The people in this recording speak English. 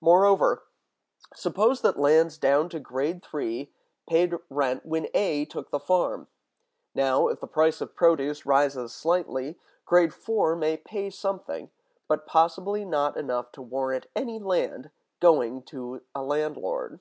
Moreover, suppose that lands down to grade three paid rent when A took the farm; now, if the price of produce rises slightly, grade four may pay something, but possibly not enough to warrant any rent going to a landlord.